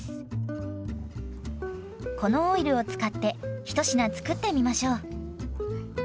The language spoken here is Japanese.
このオイルを使って一品作ってみましょう。